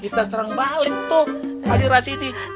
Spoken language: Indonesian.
kita serang balik tuh rasidi